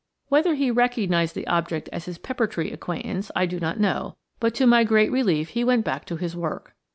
Whether he recognized the object as his pepper tree acquaintance, I do not know; but to my great relief he went back to his work.